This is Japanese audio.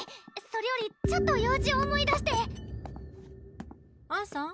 それよりちょっと用事を思い出してあんさん？